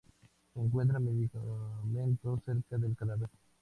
Se encuentran medicamentos cerca del cadáver.